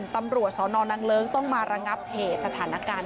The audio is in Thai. ตำรวจสนนางเลิ้งต้องมาระงับเหตุสถานการณ์